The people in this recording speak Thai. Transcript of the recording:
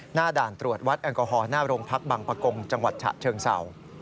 หน้าด่านตรวจวัดแอลกอฮอล์หน้าโรงพักบังปะกงจังหวัดฉะเชิงเศร้า